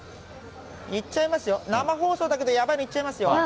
言っちゃいますよ、生放送だけど、やばいの言っちゃいますよ。